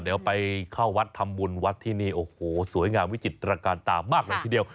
เดี๋ยวไปเข้าวัดทำบุญวัดที่นี่โอ้โหสวยงามวิจิตรการตามากเลยทีเดียว